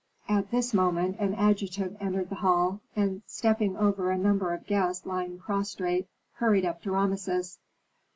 At this moment an adjutant entered the hall, and, stepping over a number of guests lying prostrate, hurried up to Rameses.